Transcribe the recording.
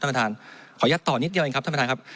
ท่านประทานขอยัดต่อนิดเดียวเองครับท่านประทานครับ